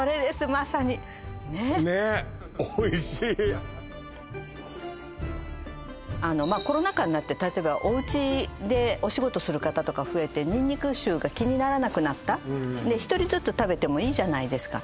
まさにねっねっまあコロナ禍になって例えばおうちでお仕事する方とか増えてにんにく臭が気にならなくなった１人ずつ食べてもいいじゃないですか